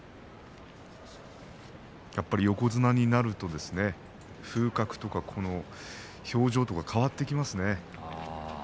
やはり横綱になると風格とか表情とか変わってきますよね。